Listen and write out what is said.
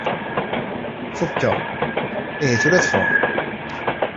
Fukkeɣ, ihi tura ad ffɣeɣ.